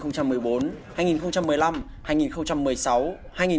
ở các mùa giải